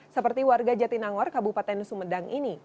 seperti warga jatinangor kabupaten sumedang ini